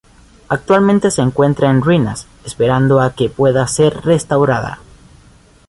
Actualmente se encuentra en ruinas, esperando a que pueda ser restaurada.